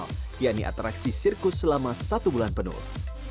sebuah atraksi yang spesial yaitu atraksi sirkus selama satu bulan penuh